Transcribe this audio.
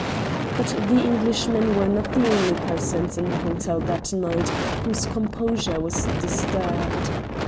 But the Englishmen were not the only persons in the hotel that night whose composure was disturbed.